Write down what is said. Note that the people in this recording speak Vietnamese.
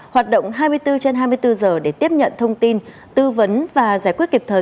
hoạt động hai mươi bốn trên hai mươi bốn giờ để tiếp nhận thông tin tư vấn và giải quyết kịp thời